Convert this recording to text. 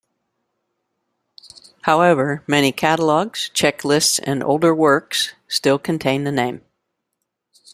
However, many catalogs, checklists, and older works still contain the name.